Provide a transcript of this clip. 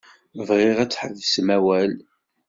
Bɣiɣ ad tḥebsem awal.